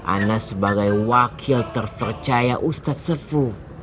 ana sebagai wakil terpercaya ustadz sepu